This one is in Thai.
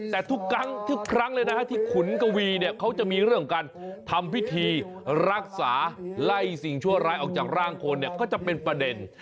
แต่ทุกครั้งทุกครั้งเลยนะฮะที่ขุนกวีเนี่ยเขาจะมีเรื่องของการทำพิธีรักษาไล่สิ่งชั่วร้ายออกจากร่างคนเนี่ยก็จะเป็นประเด็น